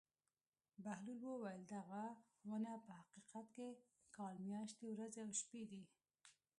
بهلول وویل: دغه ونه په حقیقت کې کال میاشتې ورځې او شپې دي.